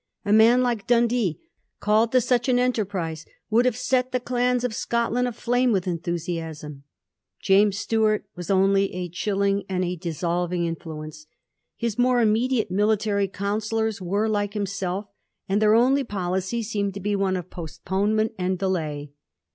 A man like Dundee called to such an enterprise would have set the clans of Scotland aflame with enthusiasm. James Stuart was only a chilling and a dissolving influence. His more immediate military counsellors were like himself, and their only policy seemed to be one of postponement and delay.